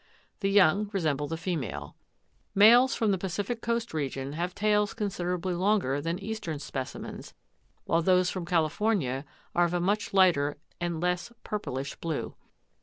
The young resemble the female. Males from the Pacific coast region have tails considerably longer than eastern specimens, while those from California are of a much lighter and less purplish blue.